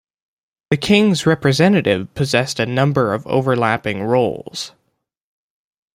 The King's representative possessed a number of overlapping roles.